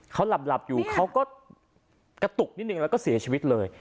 เขาหลับอยู่เขาก็กระตุกนิดนึงแล้วก็เสียชีวิตเลย